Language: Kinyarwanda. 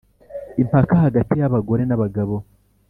Impaka hagati y abagore n abagabo